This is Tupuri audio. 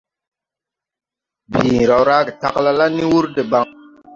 Bii raw raage tagla la ni wur debaŋ.